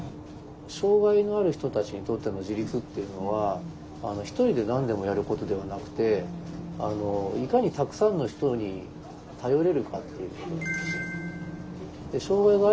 障害のある人たちにとっての自立っていうのはひとりで何でもやることではなくていかにたくさんの人に頼れるかっていうことなんですよ。